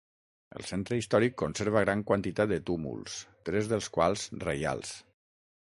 El centre històric conserva gran quantitat de túmuls, tres dels quals reials.